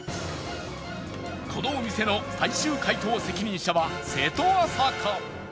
このお店の最終解答責任者は瀬戸朝香